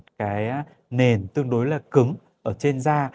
cái nền tương đối là cứng ở trên da